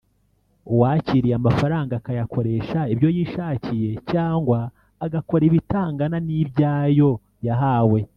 uwakiriye amafaranga akayakoresha ibyo yishakiye cyangwa agakora ibitangana n’ibyayo yahawe